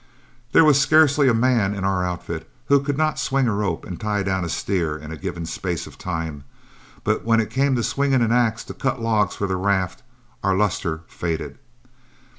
There was scarcely a man in our outfit who could not swing a rope and tie down a steer in a given space of time, but when it came to swinging an axe to cut logs for the raft, our lustre faded.